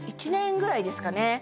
１年ぐらいですかね？